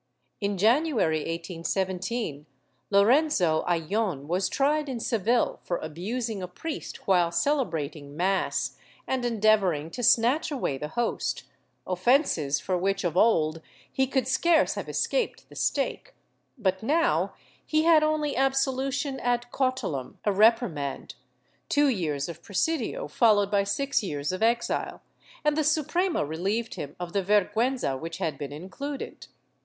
In January, 1817, Lorenzo Ayllon was tried in Seville for abusing a priest while celebrating mass and endeavoring to snatch away the host — offences for which, of old, he could scarce have escaped the stake, but now he had only absolution ad cautelam, a reprimand, two years of presidio followed by six years of exile, and the Suprema relieved him of the vergiienza which had been included.